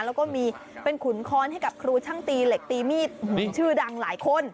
แล้วก็มีเป็นขุนค้อนให้กับครูช่างตีเหล็กตีมีดชื่อดังหลายคน